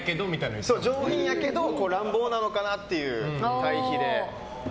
上品やけど乱暴なのかなっていう対比で。